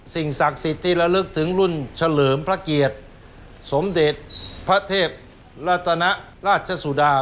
สิ่งศักดิ์สิทธิ์ที่ระลึกถึงรุ่นเฉลิมพระเกียรติสมเด็จพระเทพรัตนราชสุดา